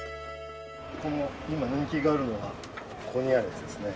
今人気があるのはここにあるやつですね。